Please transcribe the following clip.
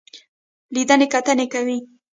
لیدنې کتنې کوي.